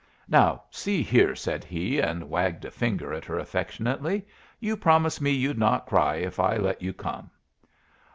"Now see here," said he, and wagged a finger at her affectionately, "you promised me you'd not cry if I let you come."